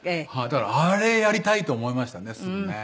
だからあれやりたいと思いましたねすぐね。